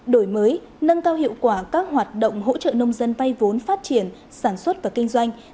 đổi mới nâng cao hiệu quả các hoạt động hỗ trợ nông dân vay vốn phát triển sản xuất và kinh doanh